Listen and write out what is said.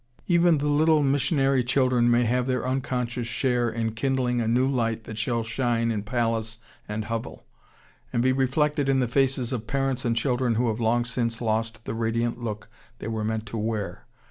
] Even the little missionary children may have their unconscious share in kindling a new light that shall shine in palace and hovel, and be reflected in the faces of parents and children who have long since lost the radiant look they were meant to wear.